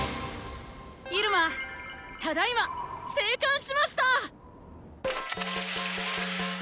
入間ただいま生還しましたぁ！